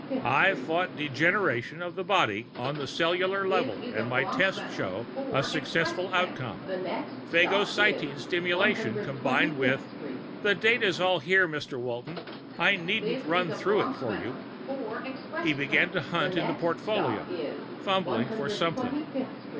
I've fought degeneration of the body on the cellular level, and my tests show a successful outcome. Phagocyte stimulation combined with the data's all here, Mr. Walton. I needn't run through it for you." He began to hunt in the portfolio, fumbling for something.